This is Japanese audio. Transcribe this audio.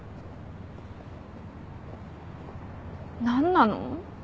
何なの。